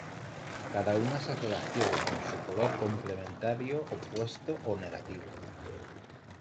Cada una se relaciona con su color complementario opuesto o negativo.